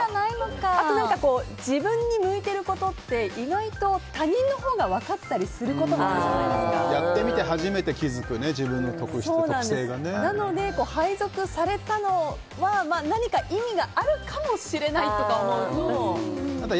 あと、自分に向いてることって意外と他人のほうが分かったりすることやってみて初めて気づくなので配属されたのは何か意味があるかもと思うと。